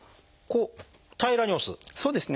こう平らに押す？